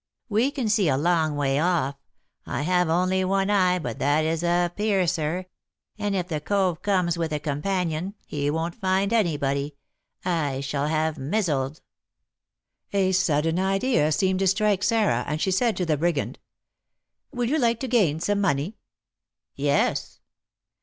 We can see a long way off. I have only one eye, but that is a piercer; and if the 'cove' comes with a companion, he won't find anybody; I shall have 'mizzled.'" A sudden idea seemed to strike Sarah, and she said to the brigand, "Will you like to gain some money?" "Yes."